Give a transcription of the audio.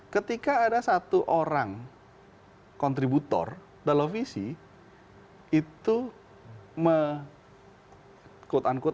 ketika ada satu orang kontributor televisi itu